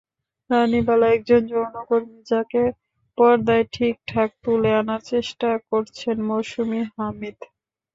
রানীবালা একজন যৌনকর্মী, যাঁকে পর্দায় ঠিকঠাক তুলে আনার চেষ্টা করছেন মৌসুমী হামিদ।